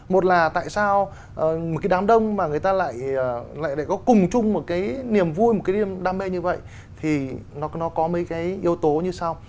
một là tại sao một cái đám đông mà người ta lại có cùng chung một cái niềm vui một cái niềm đam mê như vậy thì nó có mấy cái yếu tố như sau